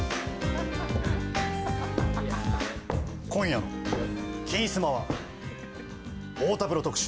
今夜の「金スマ」は太田プロ特集